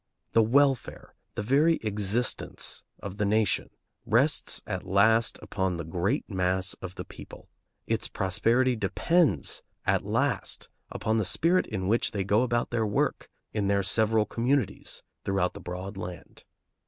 The welfare, the very existence of the nation, rests at last upon the great mass of the people; its prosperity depends at last upon the spirit in which they go about their work in their several communities throughout the broad land.